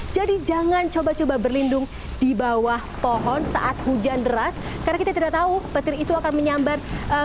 jadi jangan coba coba berlindung di bawah pohon saat hujan deras karena kita tidak tahu petir itu akan menyambar